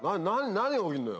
何が起きんのよ。